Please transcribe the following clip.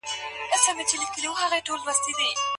که د خاوند او ميرمني تر منځ شقاق پيښ سو.